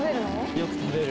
よく食べる。